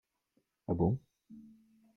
Ah bon?